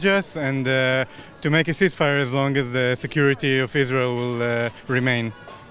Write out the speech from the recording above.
dan untuk membuat penyerangannya selama keamanan israel akan tetap